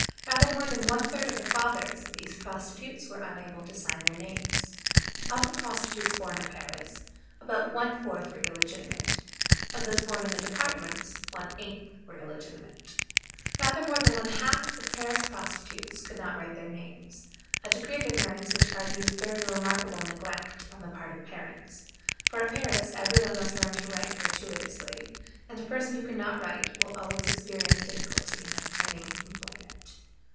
Rather more than one third of the fathers of these prostitutes were unable to sign their names. Of the prostitutes born at Paris, about one fourth were illegitimate; of those born in the departments, one eighth were illegitimate. Rather more than half the Paris prostitutes could not write their names; a degree of ignorance which argues very remarkable neglect on the part of parents, for at Paris every one may learn to write gratuitously, and a person who can not write will always experience difficulty in obtaining employment.